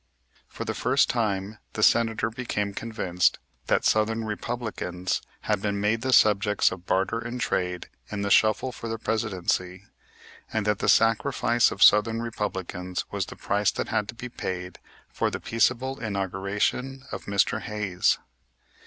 For the first time the Senator became convinced that southern Republicans had been made the subjects of barter and trade in the shuffle for the Presidency, and that the sacrifice of southern Republicans was the price that had to be paid for the peaceable inauguration of Mr. Hayes.